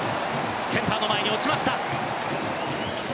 センターの前に落ちました。